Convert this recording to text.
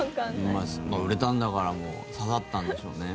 まあ、売れたんだから刺さったんでしょうね。